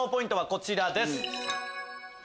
こちらです。